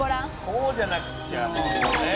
こうじゃなくっちゃもうね。